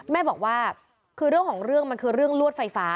แม่บอกว่าคือเรื่องของเรื่องมันคือเรื่องลวดไฟฟ้า